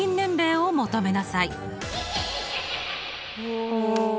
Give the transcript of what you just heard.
おお。